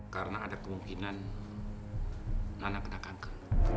karena ada kemungkinan nana kena kanker